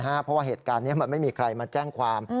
เพราะว่าเหตุการณ์นี้มันไม่มีใครมาแจ้งความ